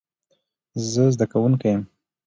زه زدکونکې ېم